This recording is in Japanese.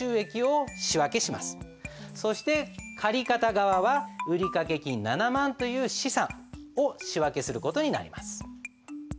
そして借方側は売掛金７万という資産を仕訳する事になります。